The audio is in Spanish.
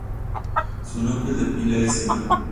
Su nombre de pila es Emmanuel-Karim.